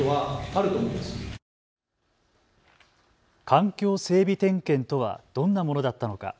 環境整備点検とはどんなものだったのか。